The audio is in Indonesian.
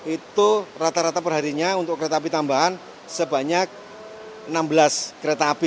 itu rata rata perharinya untuk kereta api tambahan sebanyak enam belas kereta api